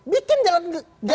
bikin jalan nggak berbayar